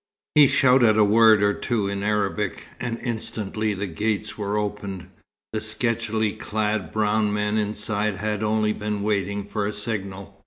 He shouted a word or two in Arabic, and instantly the gates were opened. The sketchily clad brown men inside had only been waiting for a signal.